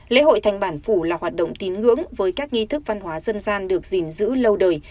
lễ hội thành bản phủ là hoạt động tín ngưỡng với các nghi thức văn hóa dân gian được gìn giữ lâu đời